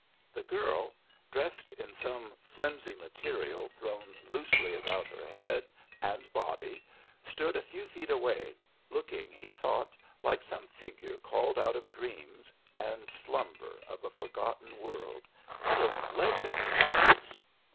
The girl, dressed in some flimsy material thrown loosely about her head and body, stood a few feet away, looking, he thought, like some figure called out of dreams and slumber of a forgotten world, out of legend almost.